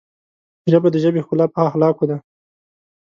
ژبه د ژبې ښکلا په اخلاقو ده